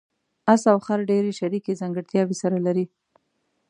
اس او خر ډېرې شریکې ځانګړتیاوې سره لري.